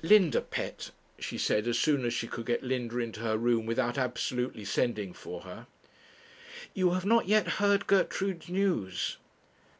'Linda, pet,' she said, as soon as she could get Linda into her room without absolutely sending for her, 'you have not yet heard Gertrude's news?'